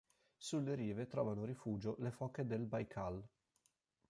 Sulle rive trovano rifugio le foche del Baikal.